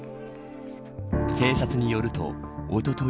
警察によると、おととい